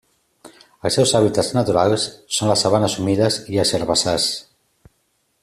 Els seus hàbitats naturals són les sabanes humides i els herbassars.